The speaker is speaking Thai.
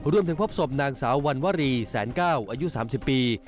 รวมถึงพบสมนางสาววัลวรีแสนเก้าอายุ๓๐ปี